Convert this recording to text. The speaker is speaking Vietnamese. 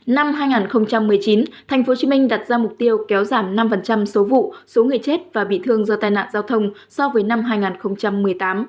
năm hai nghìn một mươi chín tp hcm đặt ra mục tiêu kéo giảm năm số vụ số người chết và bị thương do tai nạn giao thông so với năm hai nghìn một mươi tám